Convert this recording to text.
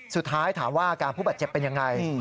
สุดท้ายถามว่าอาการผู้บาดเจ็บเป็นยังไง